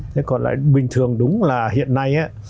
thế còn lại bình thường đúng là hiện nay